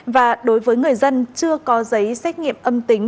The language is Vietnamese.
và đối với người dân chưa có giấy xét nghiệm âm tính